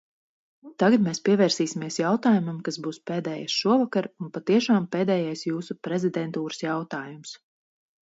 Tagad mēs pievērsīsimies jautājumam, kas būs pēdējais šovakar un patiešām pēdējais jūsu prezidentūras jautājums.